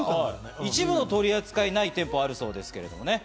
一部の取り扱いがない店舗があるそうですけどね。